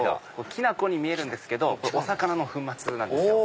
きな粉に見えるんですけどお魚の粉末なんですよ。